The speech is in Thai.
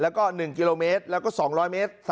แล้วก็๑กิโลเมตรแล้วก็๒๐๐เมตร